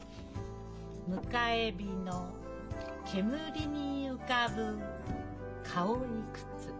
「迎へ火の煙に浮かぶ顔いくつ」。